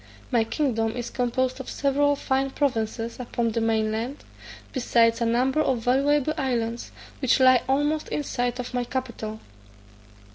My kingdom is composed of several fine provinces upon the main land, besides a number of valuable islands, which lie almost in sight of my capital.